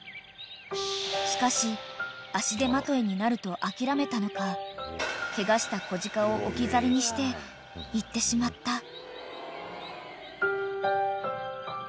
［しかし足手まといになると諦めたのかケガした子鹿を置き去りにして行ってしまった］